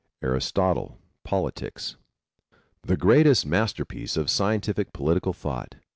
Aristotle, Politics. The greatest masterpiece of scientific political thought.